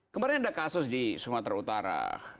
kemarin ada kasus di sumatera utara